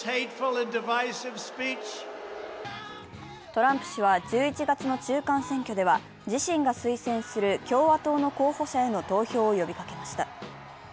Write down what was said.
トランプ氏は１１月の中間選挙では、自身が推薦する共和党の候補者への投票を呼びかけました。